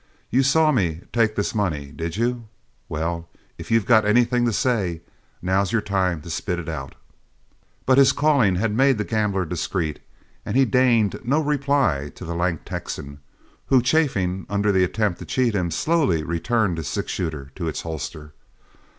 You saw me take this money, did you? Well, if you've got anything to say, now's your time to spit it out." But his calling had made the gambler discreet, and he deigned no reply to the lank Texan, who, chafing under the attempt to cheat him, slowly returned his six shooter to its holster.